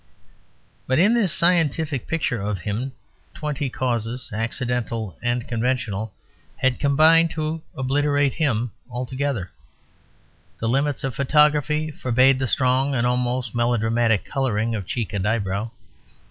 But in this scientific picture of him twenty causes, accidental and conventional, had combined to obliterate him altogether. The limits of photography forbade the strong and almost melodramatic colouring of cheek and eyebrow.